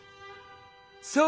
そう！